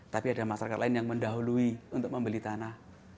tapi ada masyarakat lain yang mendahului untuk membeli tanah